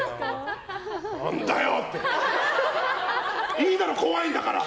いいだろ、怖いんだから！